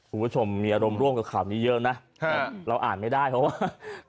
คุณผู้ชมมีอารมณ์ร่วมกับข่าวนี้เยอะนะเราอ่านไม่ได้เพราะว่า